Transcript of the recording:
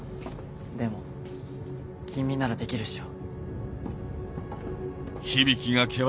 でも君ならできるっしょ。